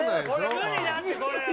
無理だって、これ。